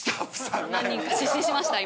何人か失神しました？